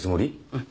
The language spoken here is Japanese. うん。